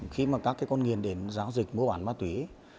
khi mà các con nghiện đến giáo dịch mua bán ma túy